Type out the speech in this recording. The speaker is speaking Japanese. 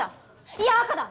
いや赤だ！